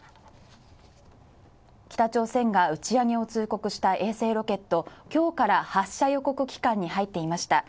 北朝鮮が打ち上げを通告した衛星ロケット、今日から発射予告期間に入っていました。